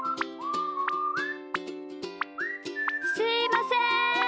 すいません。